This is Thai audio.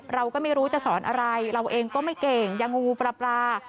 เราก็ไม่รู้จะสอนอะไรเราเองก็ไม่เก่งยังงูปลา